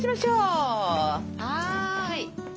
はい。